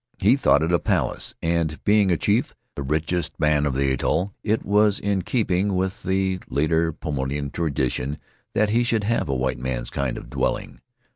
He thought it a palace, and, being a chief, the richest man of the atoll, it was in keeping with the later Paumotuan tradition that he should have a white man's kind of dwelling.